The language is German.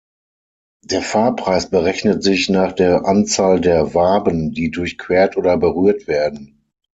Der Fahrpreis berechnet sich nach der Anzahl der Waben, die durchquert oder berührt werden.